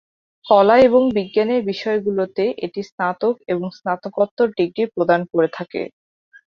কলা এবং বিজ্ঞানের বিষয়গুলোতে এটি স্নাতক এবং স্নাতকোত্তর ডিগ্রি প্রদান করে থাকে।